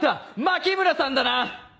牧村さんだな！